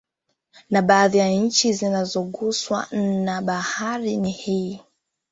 Na baadhi ya nchi zinazoguswa na Bahari hii ni